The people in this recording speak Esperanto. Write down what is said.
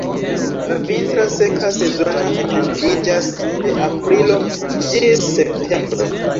La vintra seka sezono etendiĝas de aprilo ĝis septembro.